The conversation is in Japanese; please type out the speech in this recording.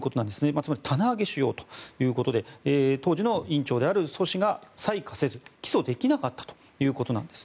つまり棚上げしようということで当時の院長であるソ氏が裁可せず起訴できなかったということです。